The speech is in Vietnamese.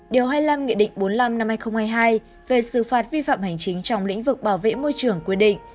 điều hai mươi năm nghị định bốn mươi năm năm hai nghìn hai mươi hai về xử phạt vi phạm hành chính trong lĩnh vực bảo vệ môi trường quy định